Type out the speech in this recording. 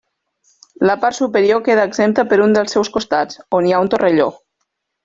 La part superior queda exempta per un dels seus costats, on hi ha un torrelló.